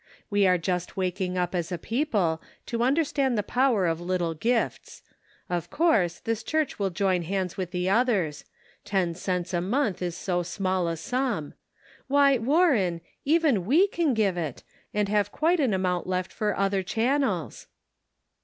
We are just waking up as a people to understand the power of little gifts; of course, this church will join hands with the others; ten cents a month is so small a sum ! Why, Warren, even we can give it, and have quite an amount left for other channels."